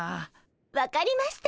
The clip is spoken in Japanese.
分かりました。